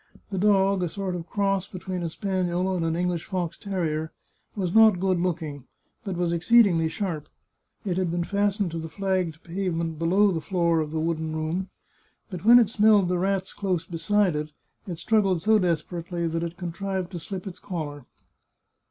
The dog, a sort of cross between a spaniel and an English fox terrier, was not good looking, but was exceedingly sharp. It had been fastened to the flagged pavement below the floor of the wooden room, but when it smelled the rats close beside it, it struggled so desperately that it contrived to slip its collar.